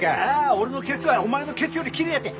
俺のケツはお前のケツよりきれいやて。